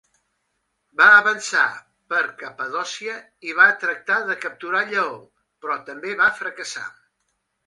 Va avançar per Capadòcia i va tractar de capturar Lleó, però també va fracassar.